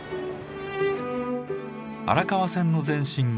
荒川線の前身